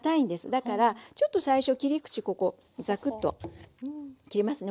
だからちょっと最初切り口ここザクッと切りますね。